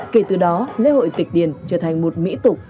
kể từ đó lễ hội tịch điền trở thành một mỹ tục